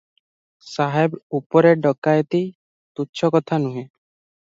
ସାହେବ ଉପରେ ଡକାଏତି ତୁଚ୍ଛ କଥା ନୁହେଁ ।